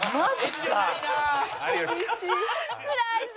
つらいぜ。